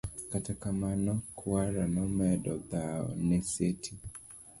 kata kamano kwara nomedo dhawo ne Siti